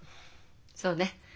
そうね。